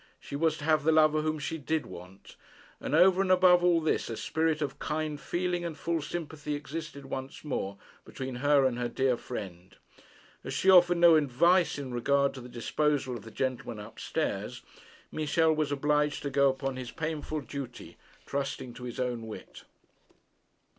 She was to have the lover whom she did want. And, over and above all this, a spirit of kind feeling and full sympathy existed once more between her and her dear friend. As she offered no advice in regard to the disposal of the gentleman up stairs, Michel was obliged to go upon his painful duty, trusting to his own wit.